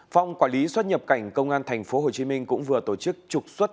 phòng quản lý xuất nhập cảnh công an tp hcm cũng vừa tổ chức trục xuất